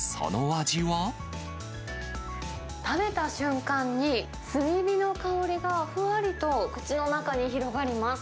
食べた瞬間に、炭火の香りがふわりと口の中に広がります。